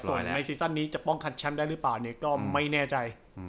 ส่วนในซีซั่นนี้จะป้องกันแชมป์ได้หรือเปล่าเนี่ยก็ไม่แน่ใจ